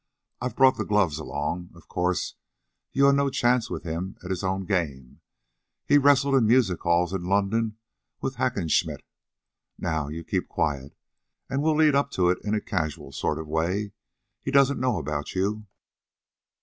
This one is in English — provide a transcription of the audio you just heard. "I've brought the gloves along. Of course, you had no chance with him at his own game. He's wrestled in the music halls in London with Hackenschmidt. Now you keep quiet, and we'll lead up to it in a casual sort of way. He doesn't know about you."